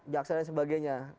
jaksa dan sebagainya